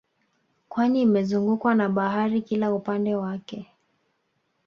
Kwani imezungukwa na bahari kila upande wake